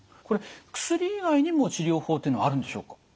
これ薬以外にも治療法っていうのはあるんでしょうか？